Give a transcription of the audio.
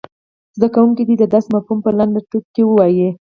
زده کوونکي دې د درس مفهوم په لنډو ټکو کې ووايي.